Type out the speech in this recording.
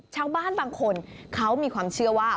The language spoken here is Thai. ชาวบ้านบางคนเขามีความเชื่อว่า